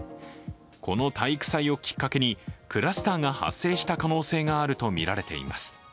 この体育祭をきっかけにクラスターが発生した可能性があるとみられています。